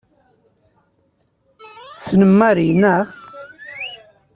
Tessnem Mary, naɣ?